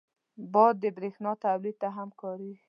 باد د بریښنا تولید ته هم کارېږي